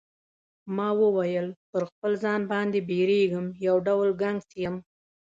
ما وویل پر خپل ځان باندی بیریږم یو ډول ګنګس یم.